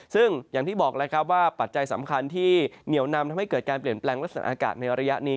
ซึ่งอย่างที่บอกแล้วครับว่าปัจจัยสำคัญที่เหนียวนำทำให้เกิดการเปลี่ยนแปลงลักษณะอากาศในระยะนี้